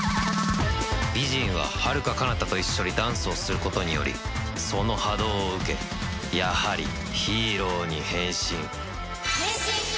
「ビジンは遙彼方と一緒にダンスをすることによりその波動を受けやはりヒーローに変身」変身！